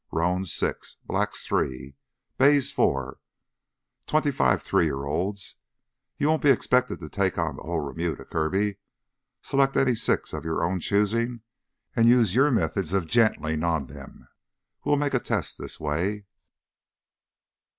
Roans—six. Blacks—three. Bays—four. Twenty five three year olds. You won't be expected to take on the whole remuda, Kirby. Select any six of your own choosing and use your methods of gentling on them. We'll make a test this way."